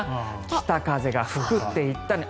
北風が吹くって言ったのに。